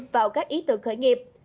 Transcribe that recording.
vào các ý tưởng khởi nghiệp